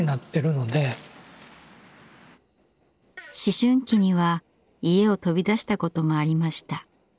思春期には家を飛び出したこともありました。